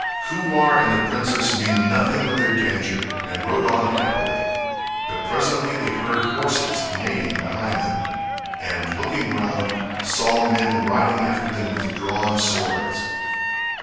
Kuwar and the princess knew nothing of their danger and rode on happily, but presently they heard horses neighing behind them and looking round, saw men riding after them with drawn swords.